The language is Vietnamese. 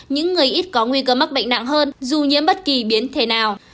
những người ít có nguy cơ mắc bệnh nặng hơn dù nhiễm bất kỳ biến thể nào